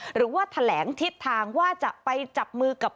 หรือว่าแถลงทิศทางว่าจะไปจับมือกับ